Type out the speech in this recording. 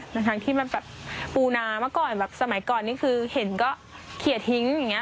ทั้งที่มันแบบปูนาเมื่อก่อนแบบสมัยก่อนนี่คือเห็นก็เคลียร์ทิ้งอย่างนี้